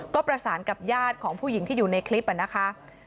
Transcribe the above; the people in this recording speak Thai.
ก็ประสานกับญาติของผู้หญิงที่อยู่ในคลิปนะคะ